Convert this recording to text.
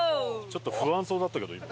ちょっと不安そうだったけど今。